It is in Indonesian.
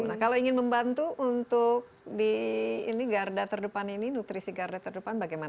nah kalau ingin membantu untuk di ini garda terdepan ini nutrisi garda terdepan bagaimana